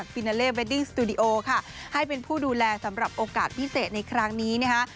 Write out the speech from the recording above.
ฟินาเล่เบดดิ้งสตูดิโอค่ะให้เป็นผู้ดูแลสำหรับโอกาสพิเศษในครั้งนี้นะคะ